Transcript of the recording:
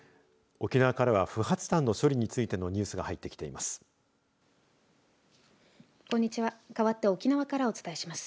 沖縄からは不発弾の処理についてのニュースが入ってきています。